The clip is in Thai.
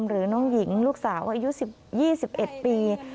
หรือน้องหญิงลูกสาวอายุ๒๑ปี